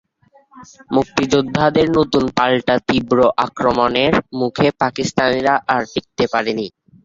মুক্তিযোদ্ধাদের নতুন পাল্টা তীব্র আক্রমণের মুখে পাকিস্তানিরা আর টিকতে পারেনি।